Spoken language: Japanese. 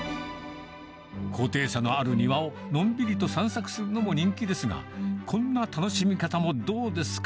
高低差のある庭をのんびりと散策するのも人気ですが、こんな楽しみ方もどうですか？